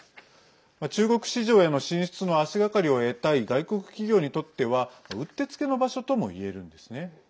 中国市場への進出の足がかりを得たい外国企業にとってはうってつけの場所ともいえるんですね。